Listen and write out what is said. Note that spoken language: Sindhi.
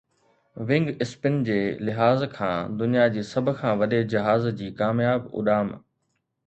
ونگ اسپن جي لحاظ کان دنيا جي سڀ کان وڏي جهاز جي ڪامياب اڏام